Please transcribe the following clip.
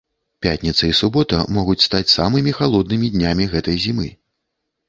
Пятніца і субота могуць стаць самымі халоднымі днямі гэтай зімы.